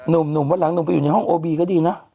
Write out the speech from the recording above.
หนุ่มวันหลังหนุ่มไปอยู่ในห้องโอบีก็ดีนะ